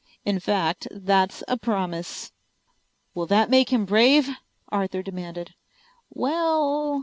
In fact, that's a promise." "Will that make him brave?" Arthur demanded. "Well...."